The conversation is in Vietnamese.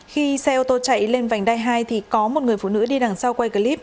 khi xe ô tô chạy lên vành đai hai thì có một người phụ nữ đi đằng sau quay clip